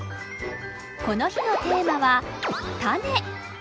この日のテーマは「種」。